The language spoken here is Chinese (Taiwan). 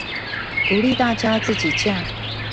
鼓勵大家自己架